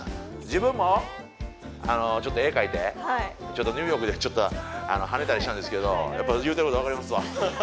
自分もあのちょっと絵描いてニューヨークでちょっとはねたりしたんですけどやっぱ言うてること分かりますわ。